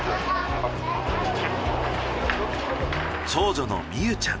長女の美結ちゃん。